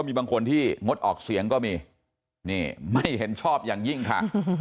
มีบางคนที่งดออกเสียงก็มีนี่ไม่เห็นชอบอย่างยิ่งค่ะ